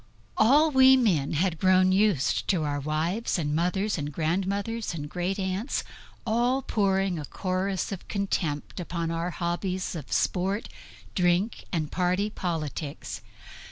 All we men had grown used to our wives and mothers, and grandmothers, and great aunts all pouring a chorus of contempt upon our hobbies of sport, drink and party politics.